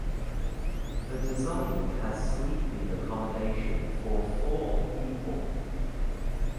The design has sleeping accommodation for four people.